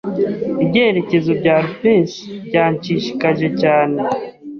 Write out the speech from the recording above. Ibyerekezo bya Alpes byanshishikaje cyane.